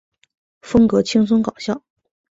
风格轻松搞笑。